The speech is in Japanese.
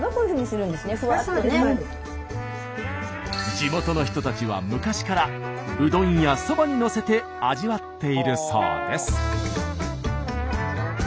地元の人たちは昔からうどんやそばにのせて味わっているそうです。